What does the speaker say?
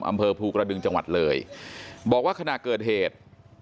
อำเภอภูกระดึงจังหวัดเลยบอกว่าขณะเกิดเหตุ